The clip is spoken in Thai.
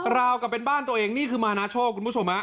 ราวกับเป็นบ้านตัวเองนี่คือมานาโชคคุณผู้ชมฮะ